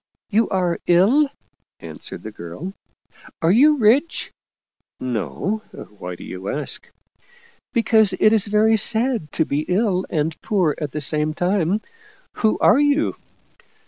" You are ill ?" answered the girl. " Are you rich ?" "No. Why do you ask?" " Because it is very sad to be ill and poor at the same time. Who are you